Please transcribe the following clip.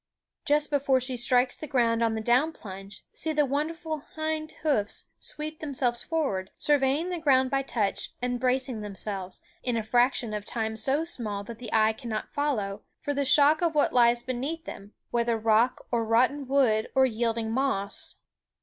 Just before she strikes the ground on the down plunge, see the wonderful hind hoofs sweep themselves forward, surveying the ground by touch, and bracing themselves, in a fraction of time so small that the eye cannot follow, for the shock of what lies beneath them, whether rock or rotten wood or yielding moss.